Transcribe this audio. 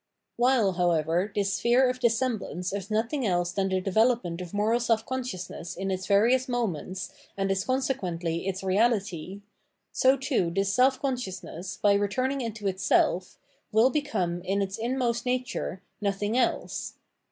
While, however, this sphere of dissemblance is nothing else than the development of moral self consciousness in its various moments and is consequently its reality, so too this self consciousness, by returning into itself, wiU become, in its inm ost nature, nothing else.